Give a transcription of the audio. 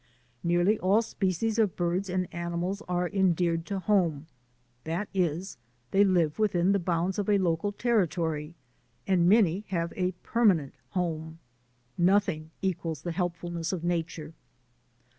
Nearly all species of birds and animals arc en deared to home — that is, they live within the bounds of a local territory— and many have a permanent home. Nothing equals the helpfulness of nature.